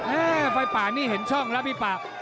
ไฟป่านี่เห็นช่องแล้วพี่ปาก